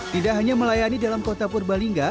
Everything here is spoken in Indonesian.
tidak hanya melayani dalam kota purbalingga